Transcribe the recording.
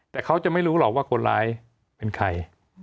แต่เขาจะไม่รู้หรอกว่าคนร้ายเป็นใคร